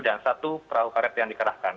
dan satu perahu karet yang dikerahkan